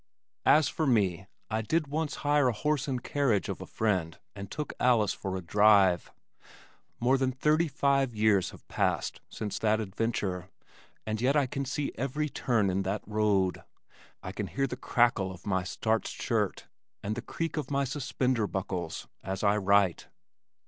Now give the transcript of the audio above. As for me I did once hire a horse and carriage of a friend and took Alice for a drive! More than thirty five years have passed since that adventure and yet I can see every turn in that road! I can hear the crackle of my starched shirt and the creak of my suspender buckles as I write.